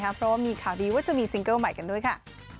เพราะว่ามีข่าวดีว่าจะมีซิงเกิ้ลใหม่กันด้วยค่ะ